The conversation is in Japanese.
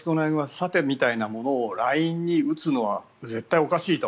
さて、みたいなものをＬＩＮＥに打つのは絶対おかしいと。